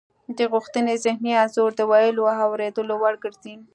د غوښتنې ذهني انځور د ویلو او اوریدلو وړ ګرځي